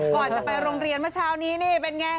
ก่อนจะไปโรงเรียนเมื่อเช้านี้นี่เป็นไง